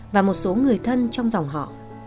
và một số người thân trong dòng họ